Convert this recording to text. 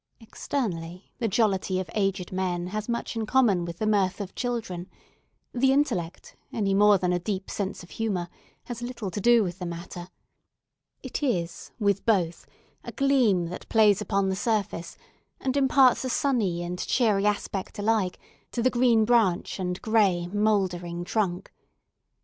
Externally, the jollity of aged men has much in common with the mirth of children; the intellect, any more than a deep sense of humour, has little to do with the matter; it is, with both, a gleam that plays upon the surface, and imparts a sunny and cheery aspect alike to the green branch and grey, mouldering trunk.